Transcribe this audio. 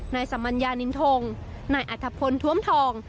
นายสมัญญานินทงนายอัธพลท้วมทอง